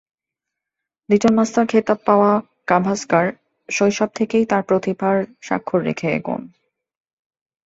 Little master খেতাব পাওয়া গাভাস্কার শৈশব থেকেই তাঁর প্রতিভার স্বাক্ষর রেখে এগোন।